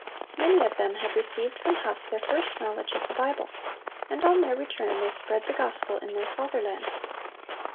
Many of them had received from Huss their first knowledge of the Bible, and on their return they spread the gospel in their fatherland.